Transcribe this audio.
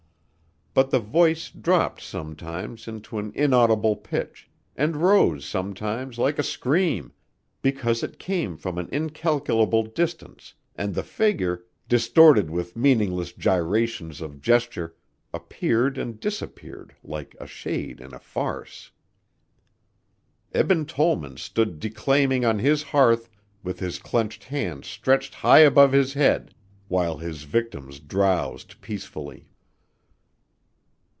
But the voice dropped sometimes to an inaudible pitch and rose sometimes like a scream because it came from an incalculable distance and the figure, distorted with meaningless gyrations of gesture, appeared and disappeared like a shade in a farce. Eben Tollman stood declaiming on his hearth with his clenched hands stretched high above his head while his victims drowsed peacefully.